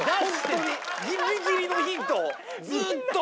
本当にギリギリのヒントをずっと！